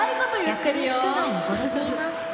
「逆に服が汚れています」